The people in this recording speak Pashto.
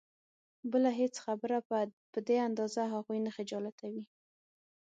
بله هېڅ خبره په دې اندازه هغوی نه خجالتوي.